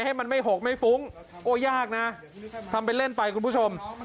ให้มันไม่หกไม่ฟุ้งโอ้ยากนะทำเป็นเล่นไปคุณผู้ชม